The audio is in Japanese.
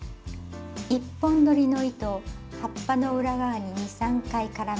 １本どりの糸を葉っぱの裏側に２３回絡めます。